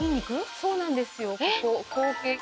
そうなんですよ。